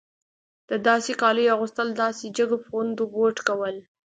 د داسې کالیو اغوستل داسې د جګو پوندو بوټ کول.